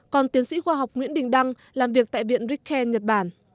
còn tiến sĩ khoa học nguyễn đình đăng làm việc tại viện rickhen nhật bản